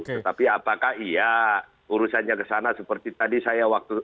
tetapi apakah iya urusannya ke sana seperti tadi saya waktu